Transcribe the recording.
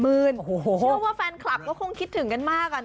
เชื่อว่าแฟนคลับก็คงคิดถึงกันมาก